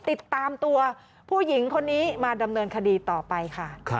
ติดตามตัวผู้หญิงคนนี้มาดำเนินคดีต่อไปค่ะ